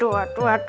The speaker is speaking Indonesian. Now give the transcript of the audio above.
hai terima kasih